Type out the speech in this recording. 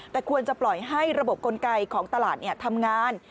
แต่ควรจะปล่อยให้ระบบกลไกของตลาดทำงาน